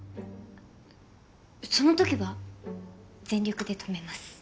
その時は全力で止めます。